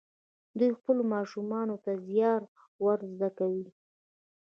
دوی خپلو ماشومانو ته زیار ور زده کوي.